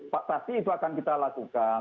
pasti itu akan kita lakukan